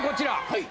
はい。